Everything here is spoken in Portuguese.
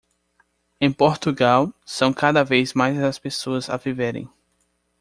Em Portugal, são cada vez mais as pessoas a viverem.